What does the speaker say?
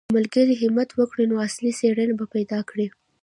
که ملګري همت وکړي نو اصلي څېړنې به پیدا کړي.